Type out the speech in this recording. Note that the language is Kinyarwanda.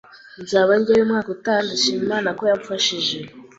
nzaba njyayo umwaka utaha, ndashima Imana ko yamfashije